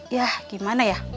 yah gimana ya